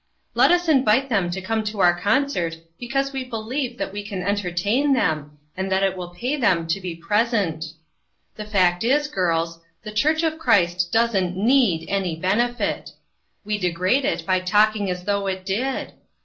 Let us invite them to come to our concert because we believe that we can entertain them, and that it will pay them to be present. " The fact is, girls, the church of Christ '83 184 INTERRUPTED. doesn't need any benefit. We degrade it by talking as though it did.